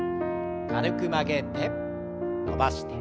軽く曲げて伸ばして。